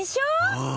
うん。